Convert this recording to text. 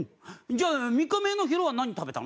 じゃあ３日前の昼は何食べたの？